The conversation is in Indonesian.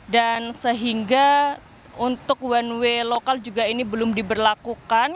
dan sehingga untuk one way lokal juga ini belum diberlakukan